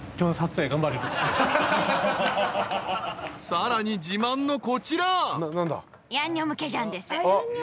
［さらに自慢のこちら］